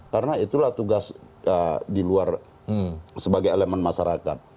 karena itulah tugas di luar sebagai elemen masyarakat